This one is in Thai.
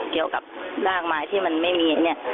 เกี่ยวกับรากไม้ที่มันไม่มีเนี่ย